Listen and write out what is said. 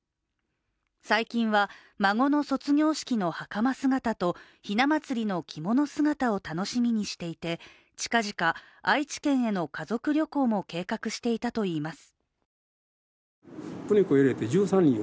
最近は孫の卒業式の袴姿とひな祭りの着物姿を楽しみにしていて近々、愛知県への家族旅行も計画していたといいます。